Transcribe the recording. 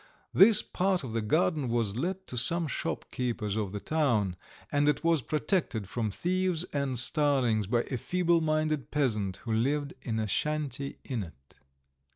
This part of the garden was let to some shopkeepers of the town, and it was protected from thieves and starlings by a feeble minded peasant who lived in a shanty in it.